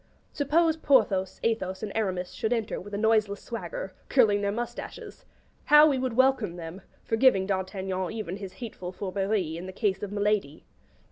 'Suppose Perthos, Athos, and Aramis should enter with a noiseless swagger, curling their moustaches.' How we would welcome them, forgiving D'Artagnan even his hateful fourberie in the case of Milady.